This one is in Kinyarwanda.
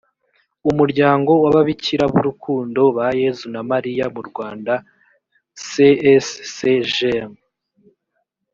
umuryango w ababikira b’urukundo ba yezu na mariya mu rwanda c s c j m